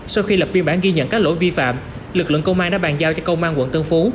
sau khi lập biên bản ghi nhận các lỗi vi phạm lực lượng công an đã bàn giao cho công an quận tân phú